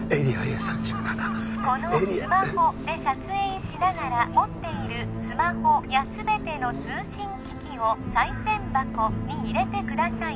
このスマホで撮影しながら持っているスマホや全ての通信機器を賽銭箱に入れてください